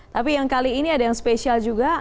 tapi yang kali ini ada yang spesial juga